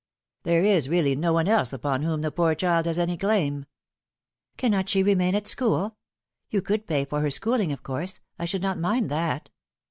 " There is really no one else upon whom the poor child haa any claim." " Cannot she remain at school ? You could pay for her schooling, of course. I should not mind that."